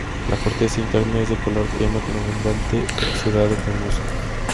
La corteza interna es de color crema, con abundante exudado cremoso.